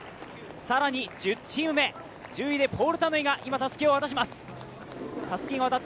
更に１０チーム目、１０位でポール・タヌイがたすきを渡します。